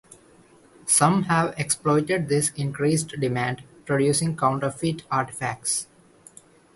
Some have exploited this increased demand, producing counterfeit artifacts.